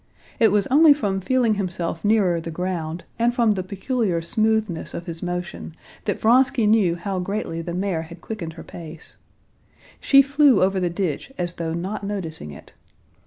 It was only from feeling himself nearer the ground and from the peculiar smoothness of his motion that Vronsky knew how greatly the mare had quickened her pace. She flew over the ditch as though not noticing it.